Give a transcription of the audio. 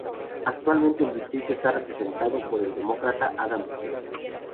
Actualmente el distrito está representado por el Demócrata Adam Smith.